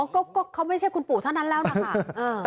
ก็เขาไม่ใช่คุณปู่เท่านั้นแล้วนะคะ